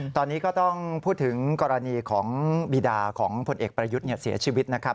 ตอนนี้ก็ต้องพูดถึงกรณีของบีดาของผลเอกประยุทธ์เสียชีวิตนะครับ